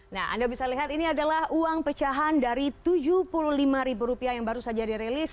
nah anda bisa lihat ini adalah uang pecahan dari tujuh puluh lima ribu rupiah yang baru saja dirilis